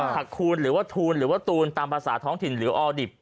คูณหรือว่าทูลหรือว่าตูนตามภาษาท้องถิ่นหรือออดิบ